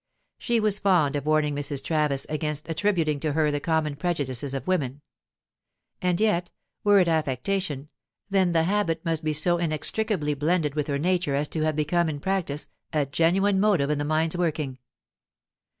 She was fond of warning Mrs. Travis against attributing to her the common prejudices of women. And yet, were it affectation, then the habit must be so inextricably blended with her nature as to have become in practice a genuine motive in the mind's working.